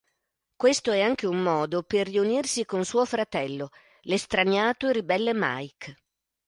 Questo è anche un modo per riunirsi con suo fratello, l'estraniato e ribelle Mike.